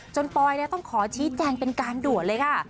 ปอยต้องขอชี้แจงเป็นการด่วนเลยค่ะ